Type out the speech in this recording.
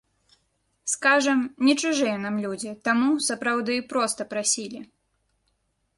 Скажам, не чужыя нам людзі, таму, сапраўды, проста прасілі.